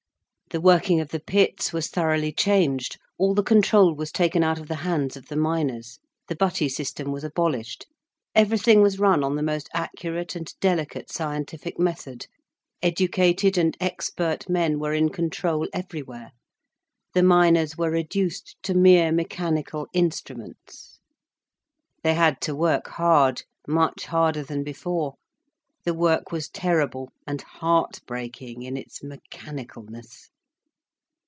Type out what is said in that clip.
The working of the pits was thoroughly changed, all the control was taken out of the hands of the miners, the butty system was abolished. Everything was run on the most accurate and delicate scientific method, educated and expert men were in control everywhere, the miners were reduced to mere mechanical instruments. They had to work hard, much harder than before, the work was terrible and heart breaking in its mechanicalness.